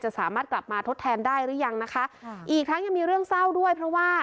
สามารถกลับมาทดแทนได้หรือยังนะคะค่ะอีกทั้งยังมีเรื่องเศร้าด้วยเพราะว่า